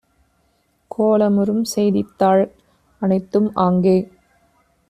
கோலமுறும் செய்தித்தாள் அனைத்தும் ஆங்கே